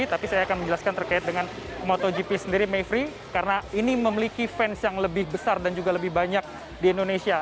tapi saya akan menjelaskan terkait dengan motogp sendiri mayfrey karena ini memiliki fans yang lebih besar dan juga lebih banyak di indonesia